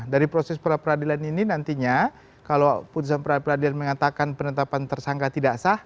dari proses peradilan ini nantinya kalau putusan pra peradilan mengatakan penetapan tersangka tidak sah